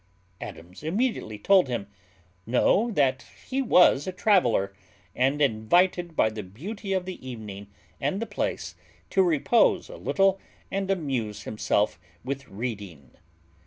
Adams immediately told him, "No; that he was a traveller, and invited by the beauty of the evening and the place to repose a little and amuse himself with reading."